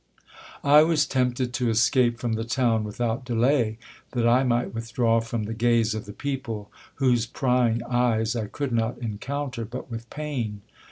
I was tempted to escape from the town without delay, that I might withdraw from the gaze of the peo ple, whose prying eyes I could not encounter but with pain.